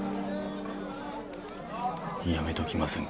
やめときませんか？